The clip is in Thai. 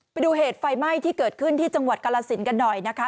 ไปดูเหตุไฟไหม้ที่เกิดขึ้นที่จังหวัดกาลสินกันหน่อยนะคะ